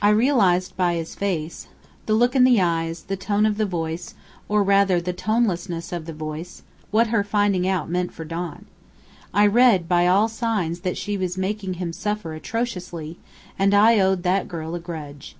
"I realized by his face the look in the eyes, the tone of the voice, or rather, the tonelessness of the voice what her finding out meant for Don. I read by all signs that she was making him suffer atrociously and I owed that girl a grudge.